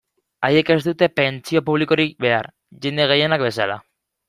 Haiek ez dute pentsio publikorik behar, jende gehienak bezala.